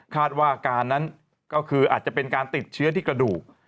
อาการนั้นก็คืออาจจะเป็นการติดเชื้อที่กระดูก